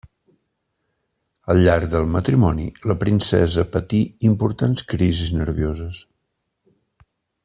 Al llarg del matrimoni la princesa patí important crisis nervioses.